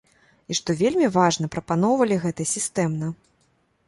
І што вельмі важна, прапаноўвалі гэта сістэмна.